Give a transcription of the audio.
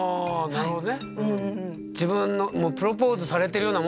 なるほど。